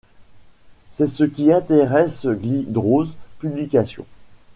C'est ce qui intéresse Glidrose Publications.